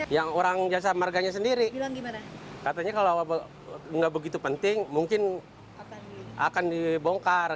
yang orang jasa marganya sendiri katanya kalau nggak begitu penting mungkin akan dibongkar